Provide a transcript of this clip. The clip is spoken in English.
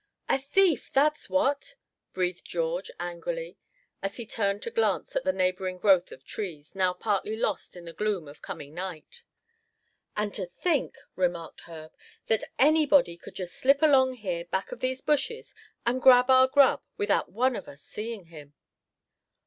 "A thief, that's what!" breathed George, angrily, as he turned to glance at the neighboring growth of trees, now partly lost in the gloom of coming night. "And to think," remarked Herb, "that anybody could just slip along here back of these bushes, and grab our grub without one of us seeing him."